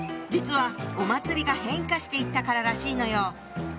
実はお祭りが変化していったかららしいのよ。